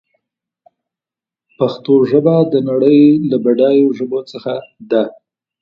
پښتو ژبه د نړۍ له بډايو ژبو څخه ده.